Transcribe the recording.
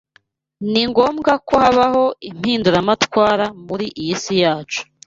Ni ngombwa ko habaho impinduramatwara muri iyi si yacu